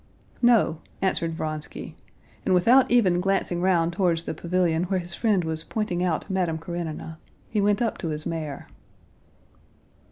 "No," answered Vronsky, and without even glancing round towards the pavilion where his friend was pointing out Madame Karenina, he went up to his mare.